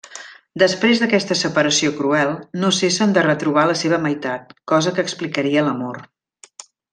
Després d'aquesta separació cruel, no cessen de retrobar la seva meitat, cosa que explicaria l'amor.